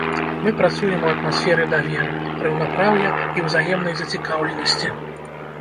Мы працуем у атмасферы даверу, раўнапраўя і ўзаемнай зацікаўленасці.